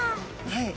はい。